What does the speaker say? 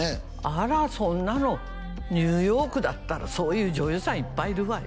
あらそんなのニューヨークだったらそういう女優さんいっぱいいるわよ